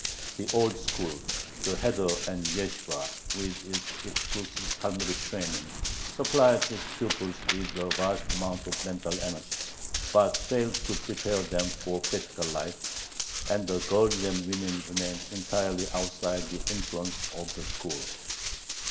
The old school, the heder and yeshibah, with its exclusive Talmudic training, supplied its pupils with a vast amount of mental energy, but failed to prepare them for practical life, and the girls and women remained entirely outside the influence of the school.